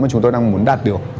mà chúng tôi đang muốn đạt được